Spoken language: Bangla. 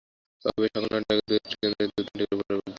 তবে সকাল নয়টার আগে দু-একটি কেন্দ্রে দু-তিনটি করে ভোটার ভোট দেন।